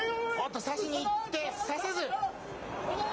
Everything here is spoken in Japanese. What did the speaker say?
差しに行って差せず。